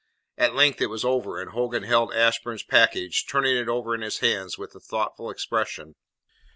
At length it was over, and Hogan held Ashburn's package, turning it over in his hands with a thoughtful expression.